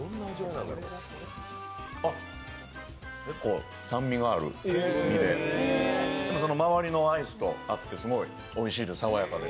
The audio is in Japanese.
あっ、結構酸味がある実で周りのアイスと合って、すごいおいしいです、爽やかで。